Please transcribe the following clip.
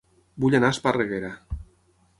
Vull anar a Esparreguera